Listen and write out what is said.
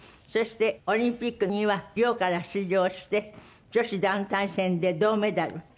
そしてオリンピックにはリオから出場して女子団体戦で銅メダル。